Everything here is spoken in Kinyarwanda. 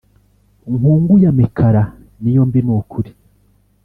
nkungu ya mikara niyo mbi nukuri